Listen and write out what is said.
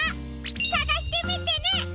さがしてみてね！